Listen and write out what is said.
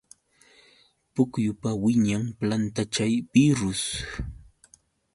Pukyupa wiñaq planta chay birrus.